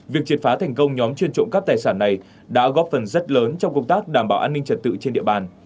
việc triệt phá thành công nhóm chuyên trộm cắp tài sản này đã góp phần rất lớn trong công tác đảm bảo an ninh trật tự trên địa bàn